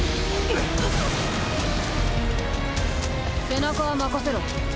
背中は任せろ。